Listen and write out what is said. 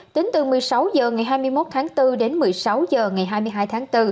tính từ một mươi sáu h ngày hai mươi một tháng bốn đến một mươi sáu h ngày hai mươi hai tháng bốn